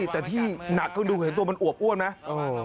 แต่ที่หนักกว่านุ่มที่เห็นมันอวกอ้วนไหม